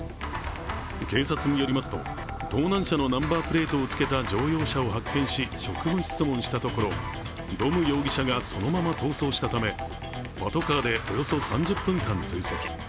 警察によりますと、盗難車のナンバープレートをつけた乗用車を発見し、職務質問したところドム容疑者がそのまま逃走したためパトカーでおよそ３０分間追跡。